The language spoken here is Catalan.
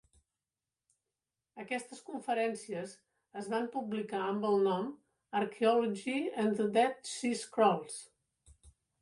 Aquestes conferències es van publicar amb el nom "Archaeology and the Dead Sea Scrolls".